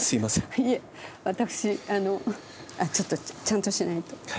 いえ私あのあっちょっとちゃんとしないと。